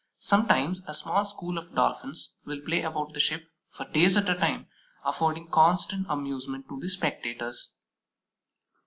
Sometimes a small school of Dolphins will play about the ship for days at a time, affording constant amusement to the spectators.